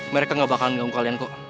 mereka gak bakalan dong kalian kok